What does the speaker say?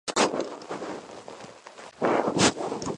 თავისუფლად ფლობს ქართულ, რუსულ, ინგლისურ და იტალიურ ენებს.